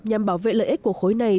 nhằm bảo vệ lợi ích của khối này